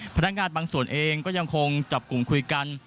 พนักงานบางส่วนเองก็ยังคงจับกลุ่มคุยกัน